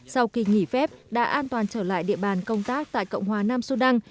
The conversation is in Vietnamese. sau kỳ nghỉ phép đã an toàn trở lại địa bàn công tác tại cộng hòa nam sudan